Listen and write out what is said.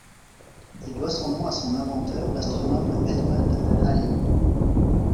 Il doit son nom à son inventeur, l'astronome Edmund Halley.